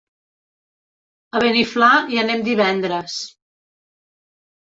A Beniflà hi anem divendres.